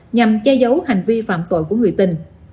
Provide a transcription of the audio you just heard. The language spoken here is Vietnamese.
nhằm che giấu hành vi phạm tội của người tình